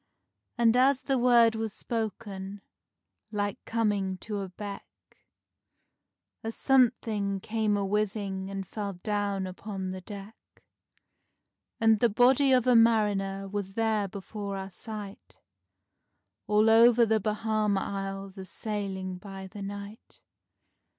And as the word was spoken—like coming to a beck— A something came a whizzing and fell down upon the deck, And the body of a mariner was there before our sight, All over the Bahama Isles a sailing by the night.